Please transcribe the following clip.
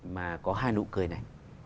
mà có hai nụ cười này